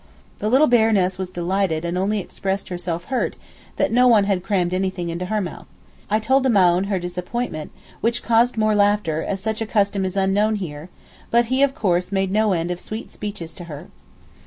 The little Baroness was delighted and only expressed herself hurt that no one had crammed anything into her mouth. I told the Maōhn her disappointment which caused more laughter as such a custom is unknown here, but he of course made no end of sweet speeches to her.